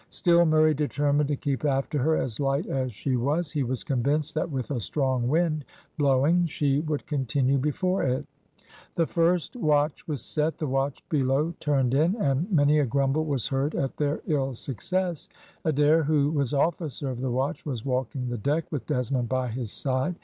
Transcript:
Still Murray determined to keep after her as light as she was; he was convinced that with a strong wind blowing she would continue before it. The first watch was set, the watch below turned in, and many a grumble was heard at their ill success. Adair, who was officer of the watch, was walking the deck, with Desmond by his side.